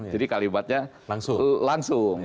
jadi kalimatnya langsung